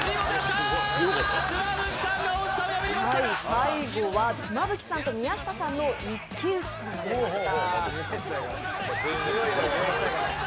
最後は妻夫木さんと宮下さんの一騎打ちとなりました。